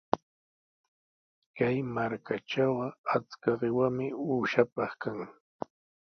Kay markatrawqa achka qiwami uushapaq kan.